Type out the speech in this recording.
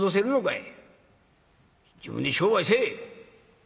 自分で商売せえ。